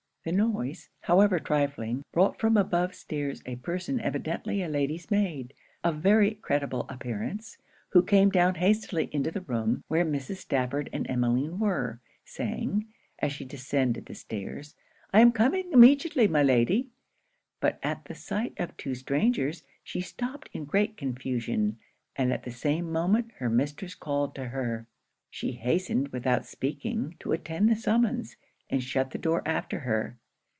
The noise, however trifling, brought from above stairs a person evidently a lady's maid, of very creditable appearance, who came down hastily into the room where Mrs. Stafford and Emmeline were, saying, as she descended the stairs 'I am coming immediately, my Lady.' But at the sight of two strangers, she stopped in great confusion; and at the same moment her mistress called to her. She hastened, without speaking, to attend the summons; and shut the door after her.